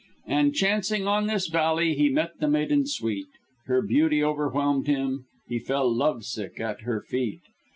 "And chancing on this valley, He met the maiden sweet. Her beauty overwhelmed him; He fell love sick at her feet.